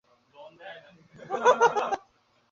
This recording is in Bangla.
শচীশ কহিল, তবে কেন তুমি এই ভক্তদের মধ্যে আছ?